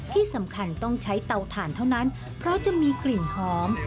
ที่สำคัญต้องใช้เตาถ่านเท่านั้นเพราะจะมีกลิ่นหอม